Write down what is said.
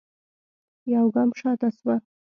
يوګام شاته سوه.